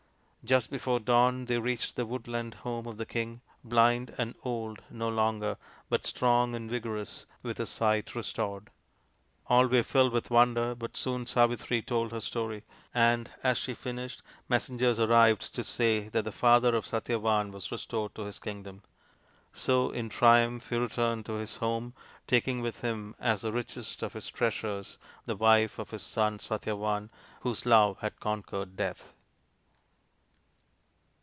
Just before dawn they reached the woodland home of the king, blind and old no longer, but strong and vigorous, with his sight restored. All were filled with wonder, but soon Savitri told her story ; and as she finished messengers arrived to say that the father of Satyavan was restored to his kingdom. So in triumph he returned to his home, taking with him as the richest of his treasures the wife of his son Satyavan, whose love had conquered Death.